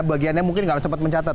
bagiannya mungkin nggak sempat mencatat